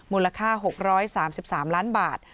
มูลค่า๖๓๓ล้านบาท